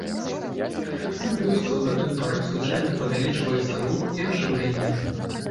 На вёсцы ў гэтую пару звычайна павялічваецца рух і ажыўленне.